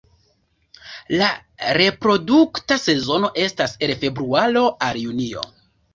La reprodukta sezono estas el februaro al junio.